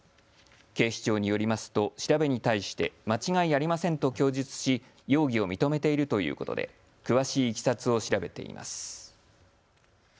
警視庁によりますと調べに対して間違いありませんと供述し容疑を認めているということで詳しいいきさつを調べています。